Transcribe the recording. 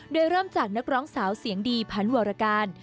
โดยเริ่มจากนักร้องสาวเสียงดีพันธ์วรการ